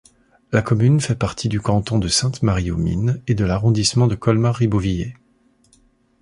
La commune fait partie du canton de Sainte-Marie-aux-Mines et de l'arrondissement de Colmar-Ribeauvillé.